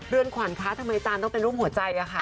เรื่องขวานคะทำไมอาจารย์ต้องเป็นร่วมหัวใจอ่ะคะ